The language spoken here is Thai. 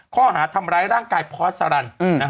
ข้อหาทำร้ายร่างกายพอสต์สารัน